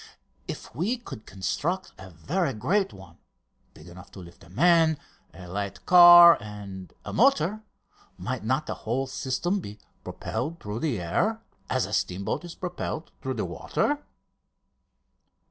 "If we could construct a very great one, big enough to lift a man, a light car, and a motor, might not the whole system be propelled through the air, as a steam boat is propelled through the water?"